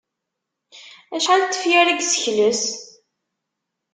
Acḥal n tefyar i yessekles?